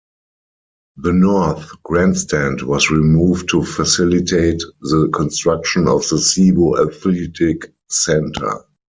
The north grandstand was removed to facilitate the construction of the Sebo Athletic Center.